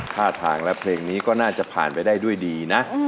ท่าทางและเพลงนี้ก็น่าจะผ่านไปได้ด้วยดีนะ